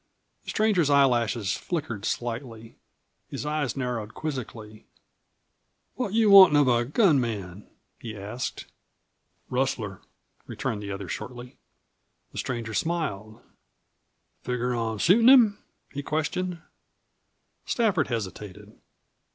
The stranger's eyelashes flickered slightly. His eyes narrowed quizzically. "What you wantin' of a gun man?" he asked. "Rustler," returned the other shortly. The stranger smiled. "Figger on shootin' him?" he questioned. Stafford hesitated.